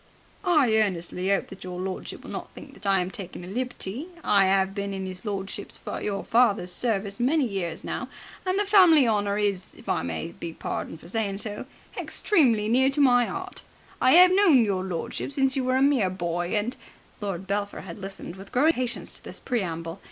"I earnestly 'ope that your lordship will not think that I am taking a liberty. I 'ave been in his lordship your father's service many years now, and the family honour is, if I may be pardoned for saying so, extremely near my 'eart. I 'ave known your lordship since you were a mere boy, and ..." Lord Belpher had listened with growing impatience to this preamble.